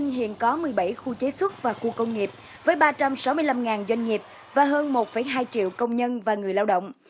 hiện có một mươi bảy khu chế xuất và khu công nghiệp với ba trăm sáu mươi năm doanh nghiệp và hơn một hai triệu công nhân và người lao động